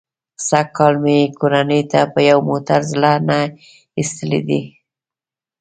سږ کال مې کورنۍ ته یو موټر زړه نه ایستلی دی.